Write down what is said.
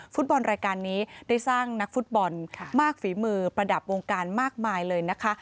ฟุตบอลรายการนี้ได้สร้างนักฟุตบอลมากฝีมือประดับวงการมากมายเลยนะคะ